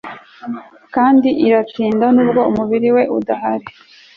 kandi iratinda, nubwo umubiri we udahari